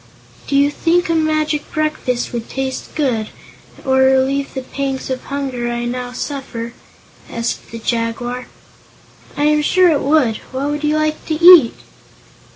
"Do you think a magic breakfast would taste good, or relieve the pangs of hunger I now suffer?" asked the Jaguar. "I am sure it would. What would you like to eat?"